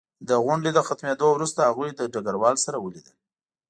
د غونډې له ختمېدو وروسته هغوی له ډګروال سره ولیدل